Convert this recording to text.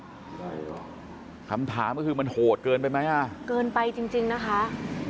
ใช่เหรอคำถามก็คือมันโหดเกินไปไหมอ่ะเกินไปจริงจริงนะคะ